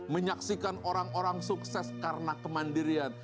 menyaksikan orang orang sukses karena kemandirian